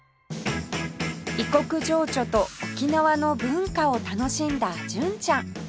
異国情緒と沖縄の文化を楽しんだ純ちゃん